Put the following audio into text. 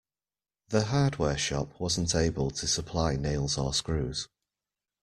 The hardware shop wasn't able to supply nails or screws.